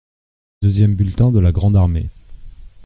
Deuxième bulletin de la grande armée.